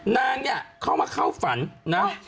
นางเนี่ยเข้ามาเข้าฝันนะ